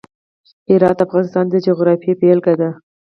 هرات د افغانستان د جغرافیې بېلګه ده.